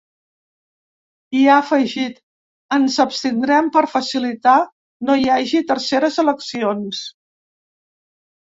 I ha afegit: ‘Ens abstindrem per facilitar no hi hagi terceres eleccions’.